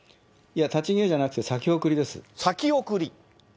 立ち消えじゃなくて、先送りです。